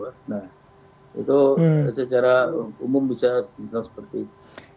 itu secara umum bisa seperti itu